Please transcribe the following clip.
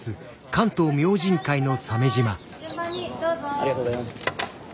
ありがとうございます。